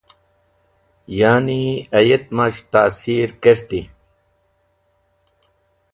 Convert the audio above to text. Yani ayet maz̃h tasir kerti.